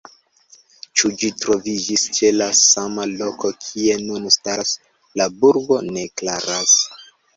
Ĉu ĝi troviĝis ĉe la sama loko kie nun staras la burgo ne klaras.